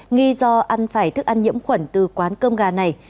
nghi do ăn phải thức ăn nhiễm khuẩn từ quán cơm gà này